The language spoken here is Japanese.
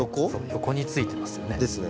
横についてますよね。